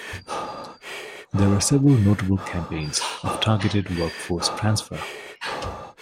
There were several notable campaigns of targeted workforce transfer.